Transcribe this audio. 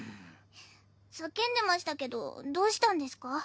叫んでましたけどどうしたんですか？